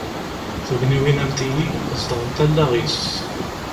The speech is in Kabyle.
Tugniwin am tigi, zedɣent allaɣ-is.